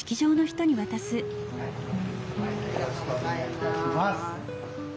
ありがとうございます。